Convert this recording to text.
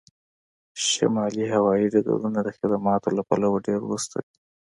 شمالي هوایی ډګرونه د خدماتو له پلوه ډیر وروسته دي